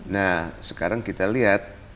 nah sekarang kita lihat